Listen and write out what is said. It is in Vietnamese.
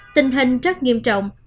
tình hình rất nghiêm trọng